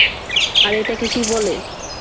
আর এটাকে কী বলে?